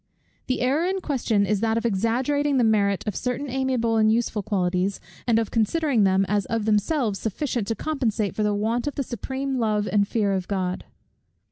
The error in question is that of exaggerating the merit of certain amiable and useful qualities, and of considering them as of themselves sufficient to compensate for the want of the supreme love and fear of God.